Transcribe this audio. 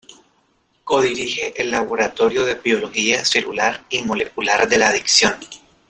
Co-dirige el Laboratorio de "Biología Celular y Molecular de la Adicción".